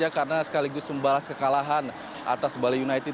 karena sekaligus membalas kekalahan atas bali united